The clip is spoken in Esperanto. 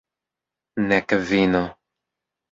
Nek vino.